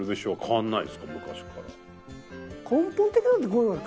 昔から。